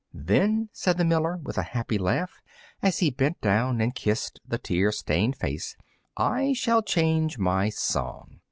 "Then," said the miller, with a happy laugh, as he bent down and kissed the tear stained face, "I shall change my song."